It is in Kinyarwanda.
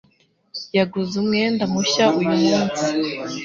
Yaguze umwenda mushya uyu munsi